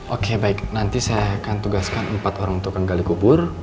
oke baik nanti saya akan tugaskan empat orang untuk penggali kubur